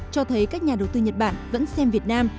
cho thấy các nhà đầu tư nhật bản vẫn xem việt nam